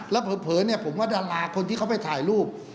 แล้วเผลอผมว่าดาราคนที่เขาไปถ่ายรูป